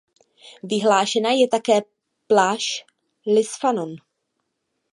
Vyhlášená je také pláž Lisfannon.